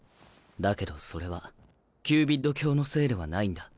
だけどそれはキュービッド卿のせいではないんだ。